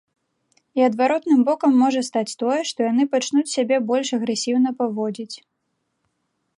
І адваротным бокам можа стаць тое, што яны пачнуць сябе больш агрэсіўна паводзіць.